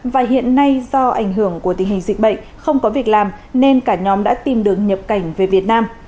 và hiện nay do ảnh hưởng của tình hình dịch bệnh không có việc làm nên cả nhóm đã tìm đường nhập cảnh về việt nam